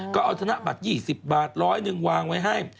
ก็เอาธนบัตร๒๐บาท๑๐๐หนึ่งวางไว้ให้